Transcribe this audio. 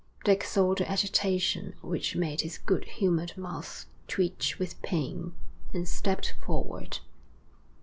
Dick saw the agitation which made his good humoured mouth twitch with pain, and stepped forward.